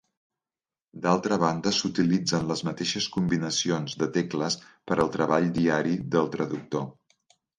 D'altra banda, s'utilitzen les mateixes combinacions de tecles per al treball diari del traductor.